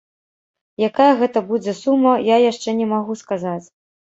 Якая гэта будзе сума, я яшчэ не магу сказаць.